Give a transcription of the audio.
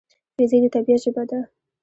فزیک د طبیعت ژبه ده.